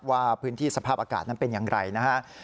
ว่าพื้นที่สภาพอากาศนั้นเป็นอย่างไรนะฮะ